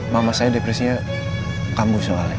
mama saya depresinya kambuh soalnya